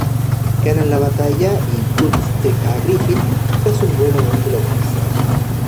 Ganan la batalla y Guts deja a Griffith tras un duelo donde lo vence.